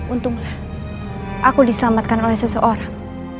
untunglah aku diselamatkan oleh seseorang